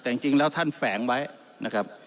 แต่จริงแล้วท่านแฝงไว้นะครับ